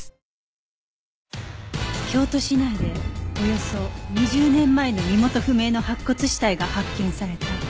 京都市内でおよそ２０年前の身元不明の白骨死体が発見された